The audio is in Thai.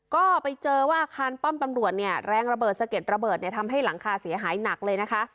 ก็ไปเจอว่าอาคารป้อมตำรวจเนี่ยแรงระเบิดสะเก็ดระเบิดเนี่ยทำให้หลังคาเสียหายหนักเลยนะคะ